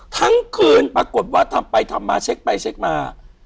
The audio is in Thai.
ทั้งคืนปรากฏว่าทำไปทำมาเช็คไปเช็คมา